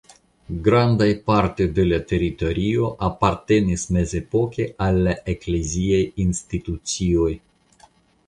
Grandaj partoj de la teritorio apartenis mezepoke al la ekleziaj institucioj.